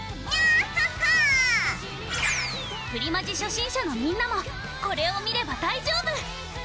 プリマジ初心者のみんなもこれを見れば大丈夫！